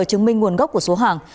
chứng minh nguồn gốc của số hàng